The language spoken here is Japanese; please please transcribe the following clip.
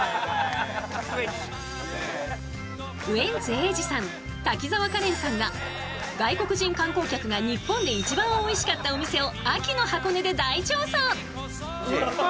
ウエンツ瑛士さん滝沢カレンさんが外国人観光客が日本で一番おいしかったお店を秋の箱根で大調査！